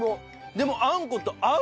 でもあんこと合う！